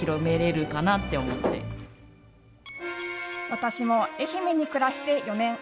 私も愛媛に暮らして４年。